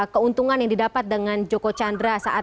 keuntungan yang didapat dengan joko chandra saat